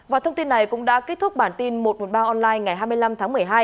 và thông tin này cũng đã kết thúc bản tin một trăm một mươi ba online ngày hai mươi năm tháng một mươi hai